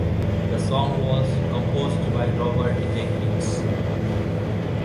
The song was composed by Robert Jenkins.